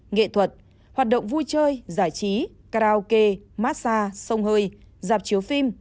nghệ thuật hoạt động vui chơi giải trí karaoke massage sông hơi dạp chiếu phim